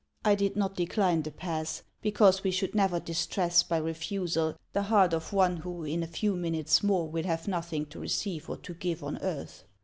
I did not decline the pass, because we should never distress by refusal the heart of one who in a few minutes more will have nothing to receive or to give on earth.